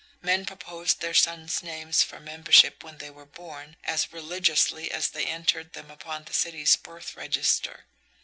Men proposed their sons' names for membership when they were born as religiously as they entered them upon the city's birth register.